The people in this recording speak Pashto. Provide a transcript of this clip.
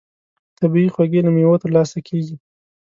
طبیعي خوږې له مېوو ترلاسه کېږي.